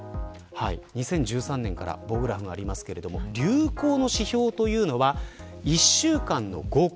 ２０１３年からグラフがありますが流行の指標は１週間の合計